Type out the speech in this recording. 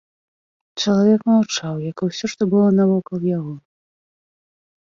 Чалавек маўчаў, як і ўсё, што было навокал яго.